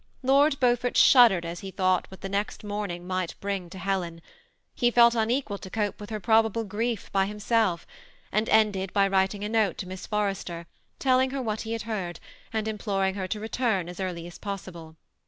Lord Beaufort shuddered as he thought what the next momiog might bring to Helen ; he felt unequal to cope with her probable grief by himself; and ended by writing a note to Miss For rester, telling her what be bad beard, and imploring her to return as early as possible.